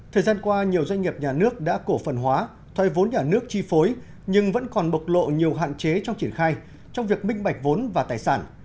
thời gian qua nhiều doanh nghiệp nhà nước đã cổ phần hóa thoai vốn nhà nước chi phối nhưng vẫn còn bộc lộ nhiều hạn chế trong triển khai trong việc minh bạch vốn và tài sản